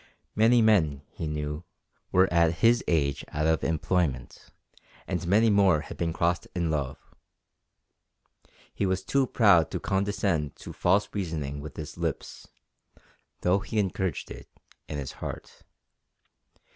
Many men, he knew, were at his age out of employment, and many more had been crossed in love. He was too proud to condescend to false reasoning with his lips, though he encouraged it in his heart.